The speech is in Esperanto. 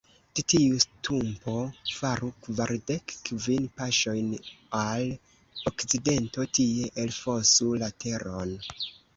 De tiu stumpo faru kvardek kvin paŝojn al okcidento, tie elfosu la teron.